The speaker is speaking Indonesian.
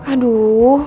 nih ya udah udah